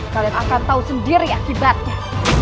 kalian akan tahu sendiri akibatnya